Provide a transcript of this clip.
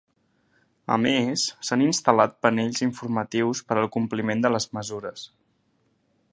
A més, s’han instal·lat panells informatius per al compliment de les mesures.